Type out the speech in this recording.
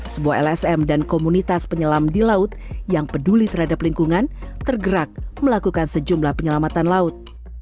sebuah lsm dan komunitas penyelam di laut yang peduli terhadap lingkungan tergerak melakukan sejumlah penyelamatan laut